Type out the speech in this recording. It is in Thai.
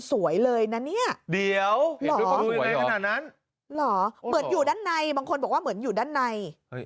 สวยเลยนะเนี้ยเดี๋ยวเหมือนอยู่ด้านในบางคนบอกว่าเหมือนอยู่ด้านใน